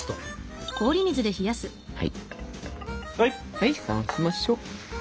はい冷ましましょ。